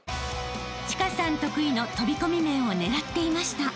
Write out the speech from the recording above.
［千佳さん得意の飛び込み面を狙っていました］